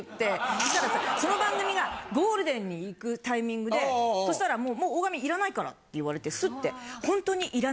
そしたらさその番組がゴールデンに行くタイミングでそしたら。って言われてスッて。